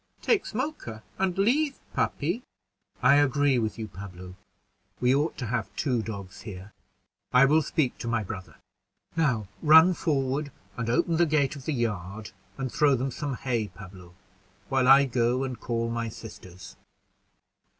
Take Smoker, and leave puppy." "I agree with you, Pablo. We ought to have two dogs here. I will speak to my brother. Now run forward and open the gate of the yard, and throw them some hay, Pablo, while I go and call my sisters."